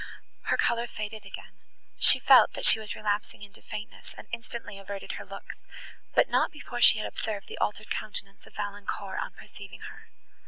Her colour faded again, she felt, that she was relapsing into faintness, and instantly averted her looks, but not before she had observed the altered countenance of Valancourt, on perceiving her.